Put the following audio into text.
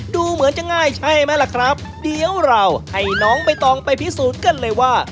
ดูเหมือนจะง่ายใช่ไหมล่ะครับเดี๋ยวเราให้น้องใบตองไปพิสูจน์กันเลยว่า